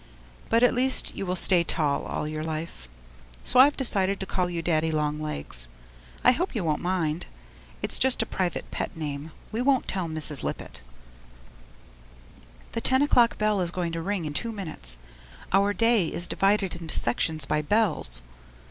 But at least you will stay tall all your life! So I've decided to call you Dear Daddy Long Legs. I hope you won't mind. It's just a private pet name we won't tell Mrs. Lippett. The ten o'clock bell is going to ring in two minutes. Our day is divided into sections by bells.